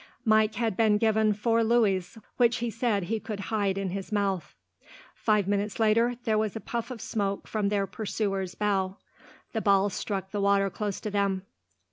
Mike had been given four louis, which he said he could hide in his mouth. Five minutes later, there was a puff of smoke from their pursuer's bow. The ball struck the water close to them.